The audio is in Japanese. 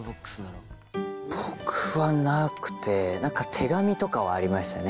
僕はなくて、なんか手紙とかはありましたね。